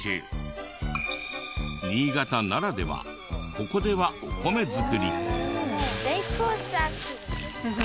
新潟ならではここではお米作り。